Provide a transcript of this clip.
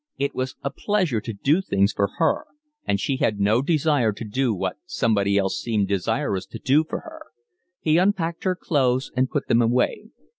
It was a pleasure to do things for her, and she had no desire to do what somebody else seemed desirous to do for her. He unpacked her clothes and put them away.